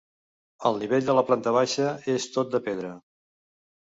El nivell de la planta baixa és tot de pedra.